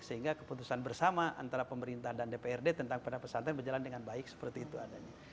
sehingga keputusan bersama antara pemerintah dan dprd tentang pada pesantren berjalan dengan baik seperti itu adanya